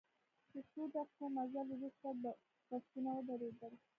له څو دقیقو مزل وروسته بسونه ودرېدل.